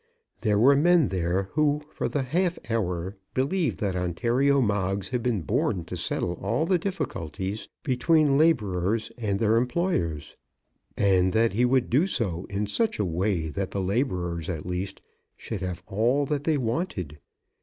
There were men there who for the half hour believed that Ontario Moggs had been born to settle all the difficulties between labourers and their employers, and that he would do so in such a way that the labourers, at least, should have all that they wanted.